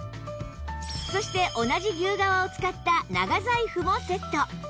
そして同じ牛革を使った長財布もセット